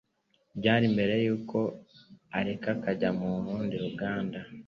ryari mbere yuko areka akajya mu rundi ruganda?